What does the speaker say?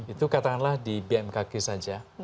itu katakanlah di bmkg saja